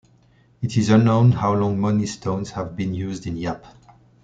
It is unknown how long money stones have been used in Yap.